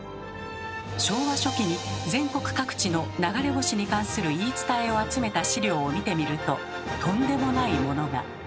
昭和初期に全国各地の流れ星に関する言い伝えを集めた資料を見てみるととんでもないものが。